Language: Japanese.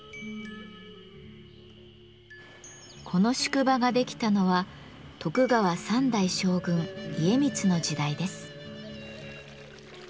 この宿場ができたのは徳川三代将軍・家光の時代です。